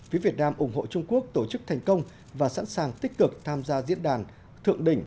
phía việt nam ủng hộ trung quốc tổ chức thành công và sẵn sàng tích cực tham gia diễn đàn thượng đỉnh